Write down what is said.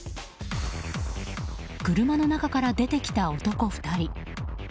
車の中から出てきた男２人。